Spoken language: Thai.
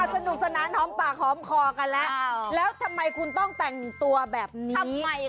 สนุกสนานหอมปากหอมคอกันแล้วแล้วทำไมคุณต้องแต่งตัวแบบนี้ทำไม